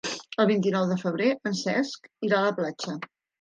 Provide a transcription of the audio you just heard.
El vint-i-nou de febrer en Cesc irà a la platja.